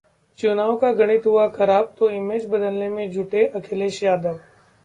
चुनाव का गणित हुआ खराब तो इमेज बदलने में जुटे अखिलेश यादव